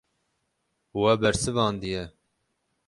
We bersivandiye.